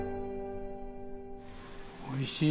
おいしい。